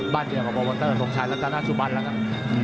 บ้านเดียวกับบอลวอลเตอร์ตรงชายรัตนาสุบันนะครับ